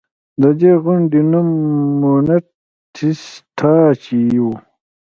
د دې غونډۍ نوم مونټ ټسټاچي و